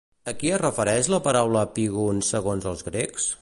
A qui es refereix la paraula epígons segons els grecs?